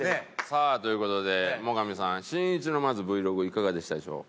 さあという事で最上さんしんいちのまずＶｌｏｇいかがでしたでしょう？